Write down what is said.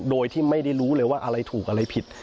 โดยที่ไม่ได้รู้เลยว่าอะไรถูกอะไรผิด